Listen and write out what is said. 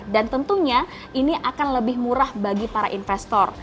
dan tentunya ini akan lebih murah bagi para investor